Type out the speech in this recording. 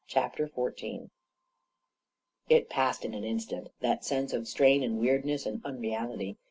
CHAPTER XIV It passed in an instant — that sense of strain and weirdness and unreality.